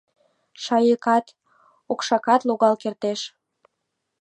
— Шайыкат, окшакат логал кертеш.